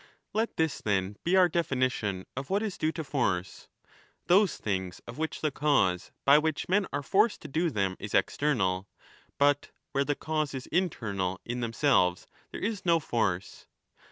Let this, then, be our definition of what is due to force— 15 those things of which the cause by which men are forced to do them is external (but where the cause is internal and in themselves there is no force).